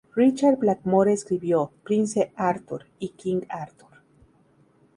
Richard Blackmore escribió "Prince Arthur" y "King Arthur".